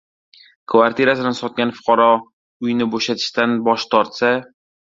Kvartirasini sotgan fuqaro uyni bo`shatishdan bosh tortsa...